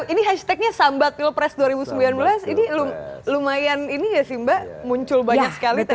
ini hashtagnya sambat pilpres dua ribu sembilan belas ini lumayan ini gak sih mbak muncul banyak sekali